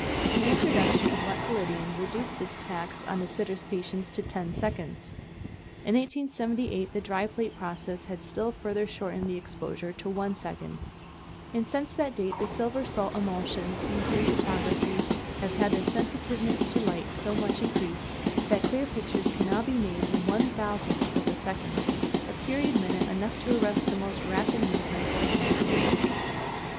The introduction of wet collodion reduced this tax on a sitter's patience to ten seconds. In 1878 the dry plate process had still further shortened the exposure to one second; and since that date the silver salt emulsions used in photography have had their sensitiveness to light so much increased, that clear pictures can now be made in one thousandth of a second, a period minute enough to arrest the most rapid movements of animals.